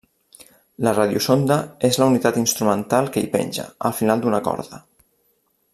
La radiosonda és la unitat instrumental que hi penja, al final d'una corda.